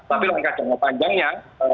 tapi langkah jangka panjangnya